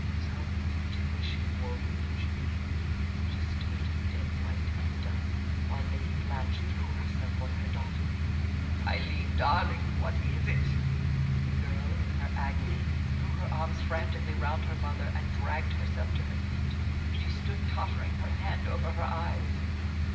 Some intuition woke in Julie. She stood dead white and dumb, while Lady Blanche threw herself on her daughter. "Aileen, darling, what is it?" The girl, in her agony, threw her arms frantically round her mother, and dragged herself to her feet. She stood tottering, her hand over her eyes.